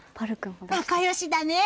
仲良しだね。